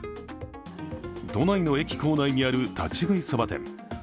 都内の駅構内にある立ち食いそば店。